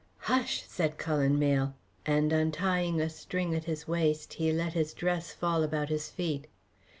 "Hush!" said Cullen Mayle, and untying a string at his waist he let his dress fall about his feet.